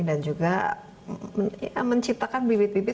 dan juga menciptakan bibit bibit